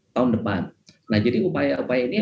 tahun depan nah jadi upaya upaya ini